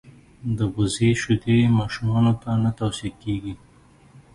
دبزې شیدي ماشومانوته نه تو صیه کیږي.